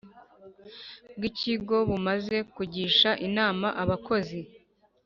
Bw ikigo bumaze kugisha inama abakozi